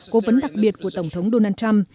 cố vấn đặc biệt của tổng thống donald trump